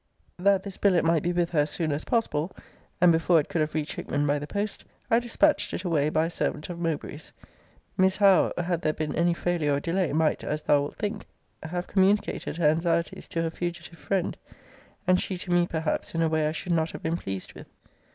That this billet might be with her as soon as possible, (and before it could have reached Hickman by the post,) I dispatched it away by a servant of Mowbray's. Miss Howe, had there been any failure or delay, might, as thou wilt think, have communicated her anxieties to her fugitive friend; and she to me perhaps in a way I should not have been pleased with.